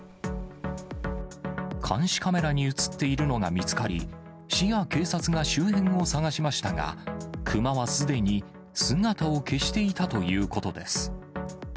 監視カメラに写っているのが見つかり、市や警察が周辺を探しましたが、クマはすでに姿を消していたということです。